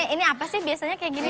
ini apa sih biasanya kayak gini